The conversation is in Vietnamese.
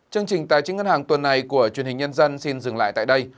chương trình tài chính ngân hàng tuần này của truyền hình nhân dân xin dừng lại tại đây